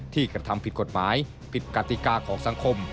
กระทำผิดกฎหมายผิดกติกาของสังคม